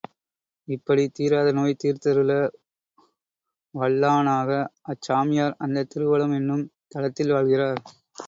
இப்படி தீராத நோய் தீர்த்தருள வல்லானாக அச்சாமியார் அந்தத் திருவலம் என்னும் தலத்தில் வாழ்கிறார்.